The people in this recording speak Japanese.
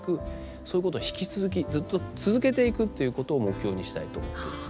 そういうことは引き続きずっと続けていくということを目標にしたいと思っています。